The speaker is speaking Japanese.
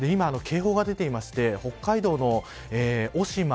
警報が出ていまして北海道の渡島